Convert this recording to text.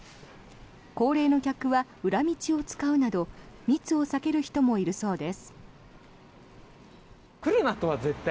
高齢の客は裏道を使うなど密を避ける人もいるそうです。